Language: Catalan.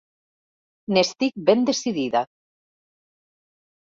N'estic ben decidida!